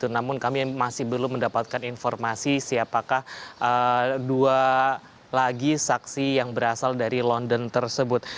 namun kami masih belum mendapatkan informasi siapakah dua lagi saksi yang berasal dari london tersebut